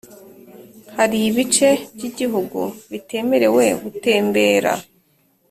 Hari ibice by’igihugu bitemerewe gutembera